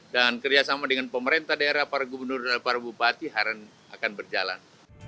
dan kerjasama dengan pemerintah daerah para gubernur para bupati akan berjalan